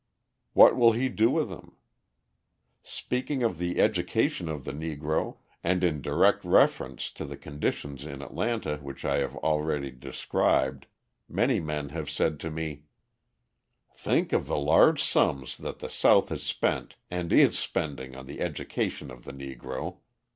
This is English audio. What will he do with him? Speaking of the education of the Negro, and in direct reference to the conditions in Atlanta which I have already described, many men have said to me: "Think of the large sums that the South has spent and is spending on the education of the Negro.